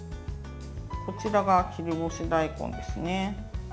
こちらが切り干し大根ですね。